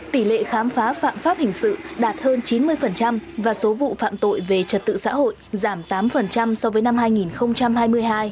tỷ lệ khám phá phạm pháp hình sự đạt hơn chín mươi và số vụ phạm tội về trật tự xã hội giảm tám so với năm hai nghìn hai mươi hai